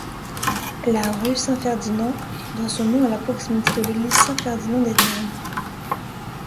La rue Saint-Ferdinand doit son nom à la proximité de l'église Saint-Ferdinand-des-Ternes.